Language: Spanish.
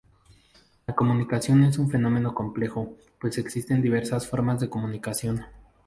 La comunicación es un fenómeno complejo, pues existen diversas formas de comunicación.